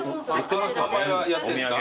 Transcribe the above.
販売はやってんですか？